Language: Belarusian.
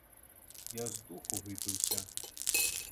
Я з духу выбіўся.